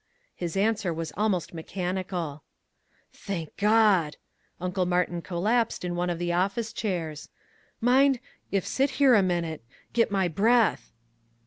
His answer was almost mechanical. "Thank God!" Uncle Martin collapsed in one of the office chairs. "Mind if sit here minute get my breath."